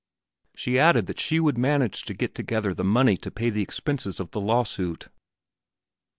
She added that she would manage to get together the money to pay the expenses of the lawsuit.